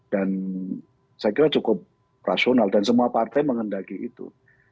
dan saya kira cukup rasional dan semua partai mengendaki itu